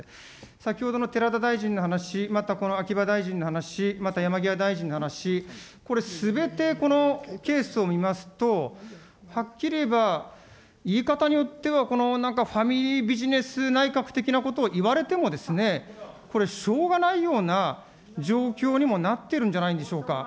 先ほどの寺田大臣の話、またこの秋葉大臣の話、また山際大臣の話、これ、すべてこのケースを見ますと、はっきり言えば、言い方によっては、このなんかファミリービジネス内閣的なことを言われても、これ、しょうがないような状況にもなってるんじゃないんでしょうか。